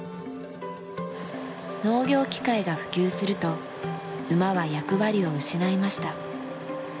農業機械が普及すると馬は役割を失いました。